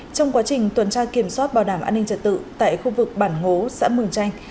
trong quá trình tuần tra kiểm soát bảo đảm an ninh trật tự tại khu vực bản ngố xã mường chanh